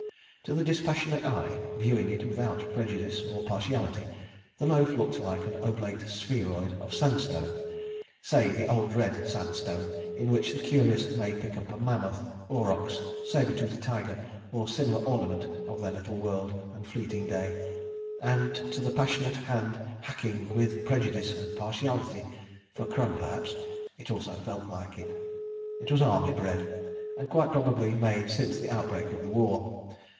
To the dispassionate eye, viewing it without prejudice or partiality, the loaf looked like an oblate spheroid of sandstone—say the Old Red Sandstone in which the curious may pick up a mammoth, aurochs, sabre toothed tiger, or similar ornament of their little world and fleeting day—and to the passionate hand hacking with prejudice and partiality (for crumb, perhaps), it also felt like it. It was Army Bread, and quite probably made since the outbreak of the war.